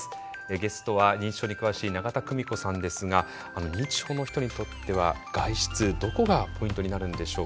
ゲストは認知症に詳しい永田久美子さんですが認知症の人にとっては外出どこがポイントになるんでしょうか？